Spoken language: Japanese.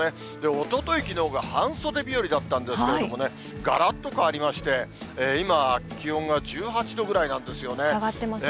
おととい、きのうが半袖日和だったんですけどもね、がらっと変わりまして、今、下がってますね。